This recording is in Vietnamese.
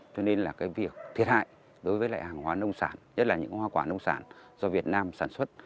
cho nên việc thiệt hại đối với hàng hóa nông sản nhất là những hóa quả nông sản do việt nam sản xuất